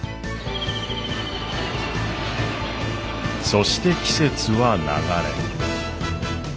そして季節は流れ。